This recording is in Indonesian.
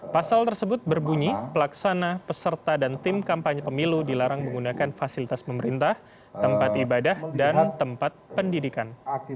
pasal tersebut berbunyi pelaksana peserta dan tim kampanye pemilu dilarang menggunakan fasilitas pemerintah tempat ibadah dan tempat pendidikan